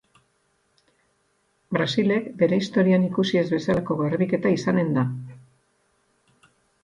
Brasilek bere historian ikusi ez bezalako garbiketa izanen da.